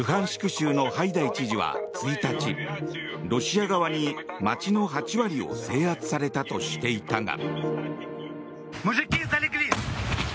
州のハイダイ知事は１日ロシア側に街の８割を制圧されたとしていたが。